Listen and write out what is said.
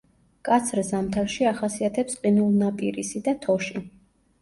მკაცრ ზამთარში ახასიათებს ყინულნაპირისი და თოში.